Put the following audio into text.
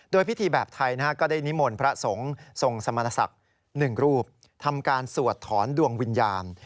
โดยพิธีแบบไทยก็ได้นิมนต์พระสงฆ์ทรงสมณศักดิ์๑รูปทำการสวดถอนดวงวิญญาณ